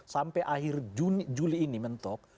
sampai akhir juli ini mentok